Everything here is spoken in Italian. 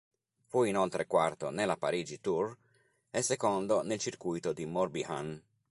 Fu inoltre quarto nella Parigi-Tours e secondo nel Circuito di Morbihan.